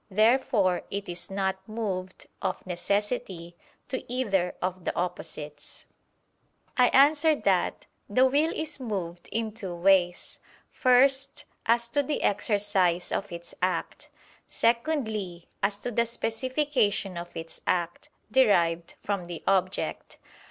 Therefore it is not moved, of necessity, to either of the opposites. I answer that, The will is moved in two ways: first, as to the exercise of its act; secondly, as to the specification of its act, derived from the object.